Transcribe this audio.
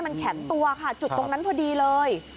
มันแข็งตัวค่ะจุดตรงนั้นพอดีเลย